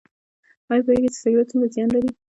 ایا پوهیږئ چې سګرټ څومره زیان لري؟